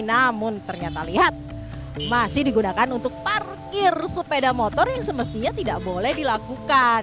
namun ternyata lihat masih digunakan untuk parkir sepeda motor yang semestinya tidak boleh dilakukan